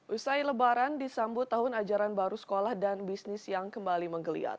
usai lebaran disambut tahun ajaran baru sekolah dan bisnis yang kembali menggeliat